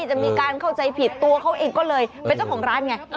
จะมีการเข้าใจผิดตัวเขาเองก็เลยเป็นเจ้าของร้านไง